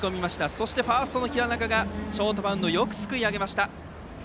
そしてファーストの平中がショートバウンドをよくすくい上げました。